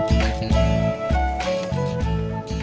kok resletingnya kebuka